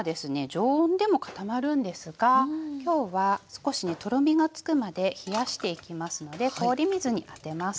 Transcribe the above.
常温でも固まるんですがきょうは少しねとろみがつくまで冷やしていきますので氷水に当てます。